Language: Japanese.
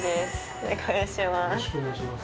お願いします。